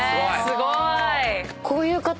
すごーい！